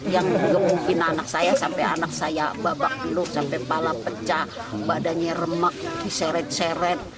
saya juga pungkin anak saya sampai anak saya babak beluk sampai kepala pecah badannya remak diseret seret